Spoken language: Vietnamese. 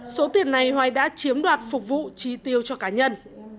số tiền này hoài đã chiếm đoạt phục vụ tri tiêu cho cá nhân